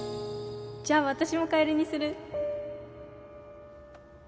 じゃあ私もカエルにする